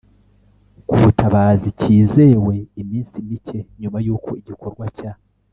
k ubutabazi kizewe Iminsi mike nyuma yuko igikorwa cya